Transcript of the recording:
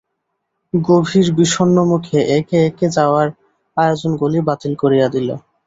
গভীর বিষন্নমুখে একে একে যাওয়ার আয়োজনগুলি বাতিল করিয়া দিল।